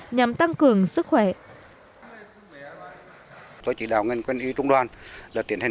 nhằm tăng cường sức khỏe của bộ đội